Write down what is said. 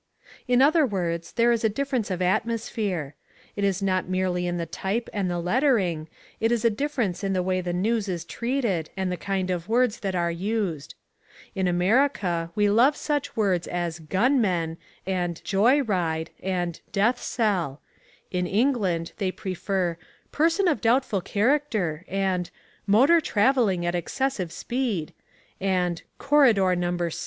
In other words, there is a difference of atmosphere. It is not merely in the type and the lettering, it is a difference in the way the news is treated and the kind of words that are used. In America we love such words as "gun men" and "joy ride" and "death cell": in England they prefer "person of doubtful character" and "motor travelling at excessive speed" and "corridor No. 6."